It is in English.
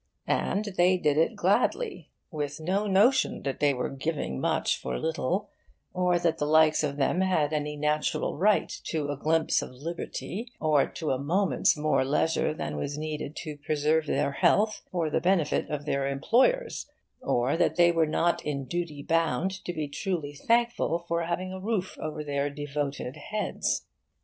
And they did it gladly, with no notion that they were giving much for little, or that the likes of them had any natural right to a glimpse of liberty or to a moment's more leisure than was needed to preserve their health for the benefit of their employers, or that they were not in duty bound to be truly thankful for having a roof over their devoted heads.